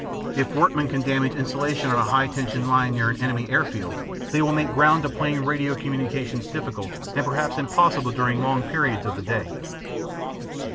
If workmen can damage insulation on a high tension line near an enemy airfield, they will make ground to plane radio communications difficult and perhaps impossible during long periods of the day.